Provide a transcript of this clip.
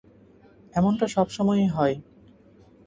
এমনটা সবসময়ই হয়।